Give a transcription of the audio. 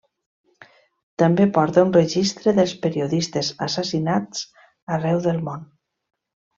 També porta un registre dels periodistes assassinats arreu del món.